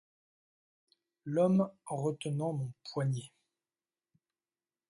L’homme retenant mon poignet.